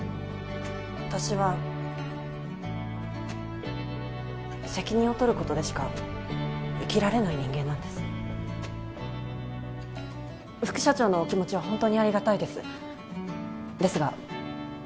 私は責任を取ることでしか生きられない人間なんです副社長のお気持ちは本当にありがたいですですが